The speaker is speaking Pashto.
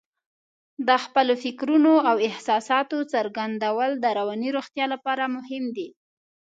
د خپلو فکرونو او احساساتو څرګندول د رواني روغتیا لپاره مهم دي.